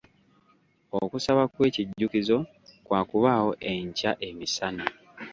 Okusaba kw'ekijjukizo kwa kubaawo enkya emisana.